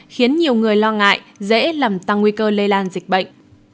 khiến nhiều người lo ngại dễ làm tăng nguy cơ lây lan dịch bệnh